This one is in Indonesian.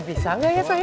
sekarang mau geser ya